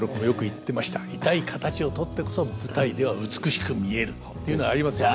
「痛い形をとってこそ舞台では美しく見える」っていうのありますよね。